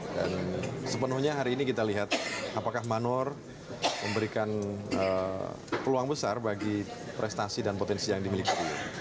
dan sepenuhnya hari ini kita lihat apakah manor memberikan peluang besar bagi prestasi dan potensi yang dimiliki